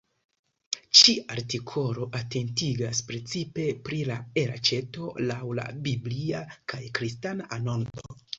Ĉi artikolo atentigas precipe pri la elaĉeto laŭ la biblia kaj kristana anonco.